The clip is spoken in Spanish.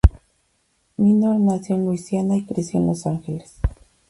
Minor nació en Luisiana y creció en Los Ángeles.